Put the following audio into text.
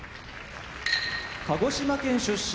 鹿児島県出身